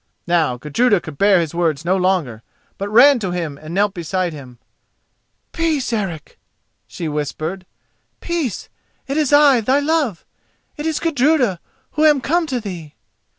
Now Gudruda could bear his words no longer, bur ran to him and knelt beside him. "Peace, Eric!" she whispered. "Peace! It is I, thy love. It is Gudruda, who am come to thee."